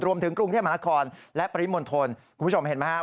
รวมถึงกรุงเทพมหานครและปริมณฑลคุณผู้ชมเห็นไหมครับ